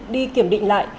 đi kiểm định lại